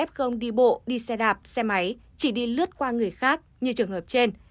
nếu một người f đi bộ đi xe đạp xe máy chỉ đi lướt qua người khác như trường hợp trên